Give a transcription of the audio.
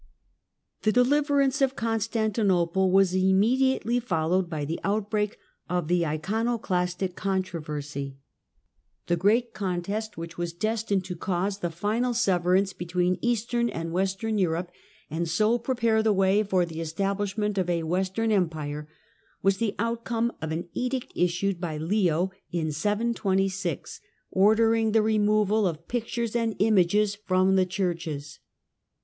Icono The deliverance of Constantinople was immediately edkt, C 726 followed by the outbreak of the Iconoclastic controversy. THE ICONOCLASTIC EMPERORS 137 Phis great contest, which was destined to cause the final everance between Eastern and Western Europe, and o prepare the way for the establishment of a "Western Empire, was the outcome of an edict issued by Leo in 26 ordering the removal of pictures and images from the hurches.